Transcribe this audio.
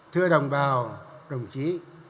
thưa đồng bào đồng chí